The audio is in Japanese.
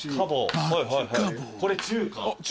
これ中華？